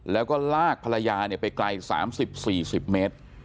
แล้วก็ลากภรรยาเนี่ยไปไกลสามสิบสี่สิบเมตร